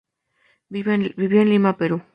Vivía en Lima, Perú.